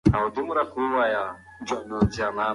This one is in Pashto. که مینه نه وي، نو ژوند بې رنګه ښکاري.